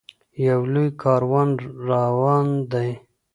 یو لوی کاروان روان دی.